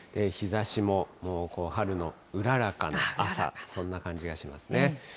日ざしもこう、春のうららかな朝、そんな感じがしますね。